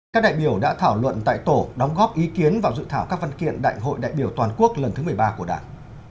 các đại biểu đã thảo luận tại tổ đóng góp ý kiến vào dự thảo các văn kiện đại hội đại biểu toàn quốc lần thứ một mươi ba của đảng